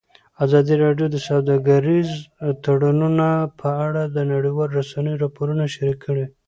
ازادي راډیو د سوداګریز تړونونه په اړه د نړیوالو رسنیو راپورونه شریک کړي.